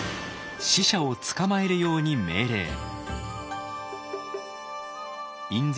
使者を捕まえるように命令。